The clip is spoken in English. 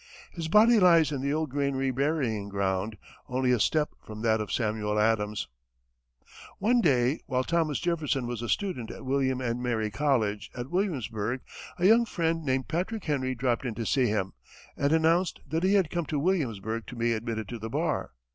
His body lies in the old Granary burying ground, only a step from that of Samuel Adams. One day, while Thomas Jefferson was a student at William and Mary College, at Williamsburg, a young friend named Patrick Henry dropped in to see him, and announced that he had come to Williamsburg to be admitted to the bar.